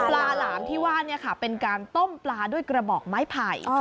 หลามที่ว่าเป็นการต้มปลาด้วยกระบอกไม้ไผ่